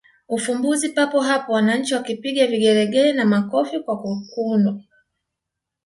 ufumbuzi papo hapo wananchi wakipiga vigelegele na makofi kwa kukunwa